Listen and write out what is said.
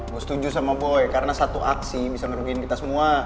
gue setuju sama boy karena satu aksi bisa merugikan kita semua